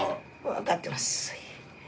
分かってます。